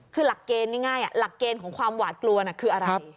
คือหลักเกณฑ์ง่ายหลักเกณฑ์ของความหวาดกลัวคืออะไร